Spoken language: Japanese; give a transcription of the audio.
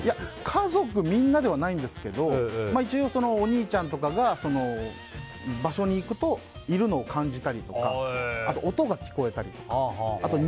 家族みんなではないんですけど一応、お兄ちゃんとかがそういう場所に行くといるのを感じたりとかあと、音が聞こえたりとか。